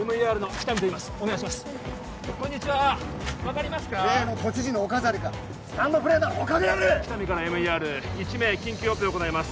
喜多見からＭＥＲ１名緊急オペ行います